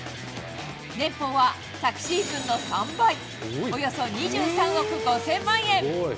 年俸は昨シーズンの３倍、およそ２３億５０００万円。